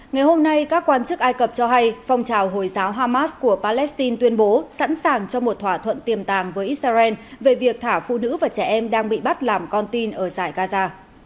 ngày hôm nay các quan chức ai cập cho hay phong trào hồi giáo hamas của palestine tuyên bố sẵn sàng cho một thỏa thuận tiềm tàng với israel về việc thả phụ nữ và trẻ em đang bị bắt làm con tin ở giải gaza